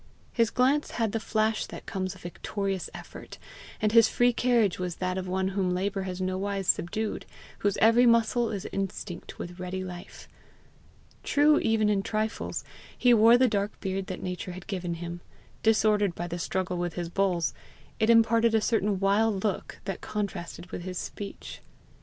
His glance had the flash that comes of victorious effort, and his free carriage was that of one whom labour has nowise subdued, whose every muscle is instinct with ready life. True even in trifles, he wore the dark beard that nature had given him; disordered by the struggle with his bulls, it imparted a certain wild look that contrasted with his speech.